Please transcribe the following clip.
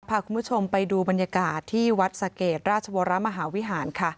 พาคุณผู้ชมไปดูบรรยากาศที่วัดศักริย์ราชวรมหาวิหาร